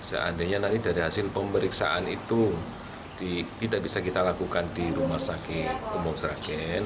seandainya nanti dari hasil pemeriksaan itu tidak bisa kita lakukan di rumah sakit umum sragen